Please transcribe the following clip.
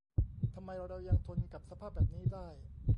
ทำไมเรายังทนกับสภาพแบบนี้ได้ ?